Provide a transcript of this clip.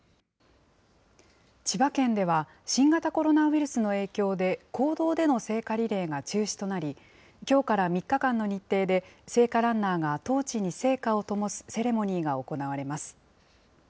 千葉県では、新型コロナウイルスの影響で、公道での聖火リレーが中止となり、きょうから３日間の日程で、聖火ランナーがトーチに聖火をともすセレモニーが行われます。